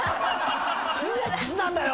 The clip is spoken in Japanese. ＣＸなんだよ！